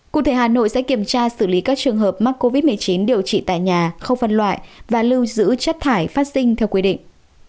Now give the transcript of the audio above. cụ thể hà nội sẽ kiểm tra xử lý các trường hợp mắc covid một mươi chín điều trị tại nhà không phân loại và lưu giữ chất thải phát sinh theo quy định